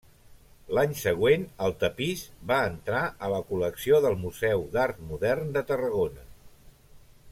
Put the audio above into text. L'any següent, el tapís va entrar a la col·lecció del Museu d'Art Modern de Tarragona.